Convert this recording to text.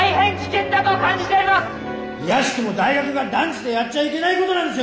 いやしくも大学が断じてやっちゃいけないことなんですよ